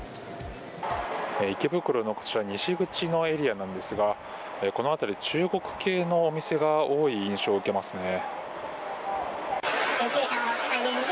池袋のこちら西口のエリアなんですがこの辺り、中国系のお店が多い印象を受けますね。